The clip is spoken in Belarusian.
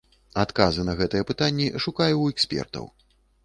Адказы на гэтыя пытанні шукаю ў экспертаў.